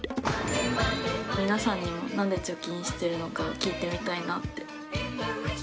皆さんにも何で貯金してるのかを聞いてみたいなって。